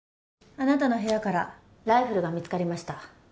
あなたの部屋からライフルが見つかりました。